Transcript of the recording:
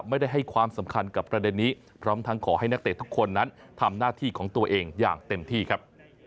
ไม่ได้ให้ความสำคัญกับประเด็นนี้พร้อมทั้งขอให้นักเตะทุกคนนั้นทำหน้าที่ของตัวเองอย่างเต็มที่ครับ